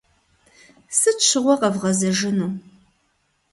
Сыт щыгъуэ къэвгъэзэжыну?